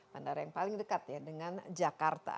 bandara yang paling dekat ya dengan jakarta